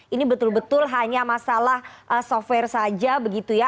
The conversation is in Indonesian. ini betul betul hanya masalah software saja begitu ya